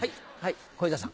小遊三さん。